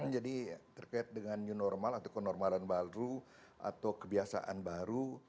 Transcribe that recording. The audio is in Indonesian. jadi terkait dengan new normal atau kenormalan baru atau kebiasaan baru